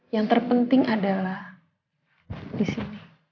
yang terpenting adalah disini